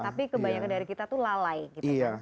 tapi kebanyakan dari kita lalai